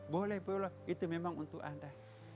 boleh boleh itu memang untuk anda